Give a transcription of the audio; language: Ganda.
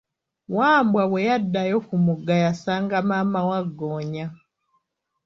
Wambwa bwe yaddayo ku mugga, yasanga maama Waggoonya.